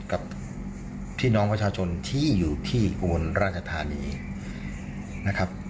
กับพี่น้องประชาชนที่อยู่ที่อุบลราชธานีนะครับ